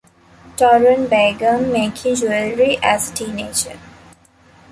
Torun began making jewelry as a teenager.